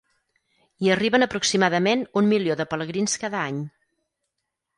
Hi arriben aproximadament un milió de pelegrins cada any.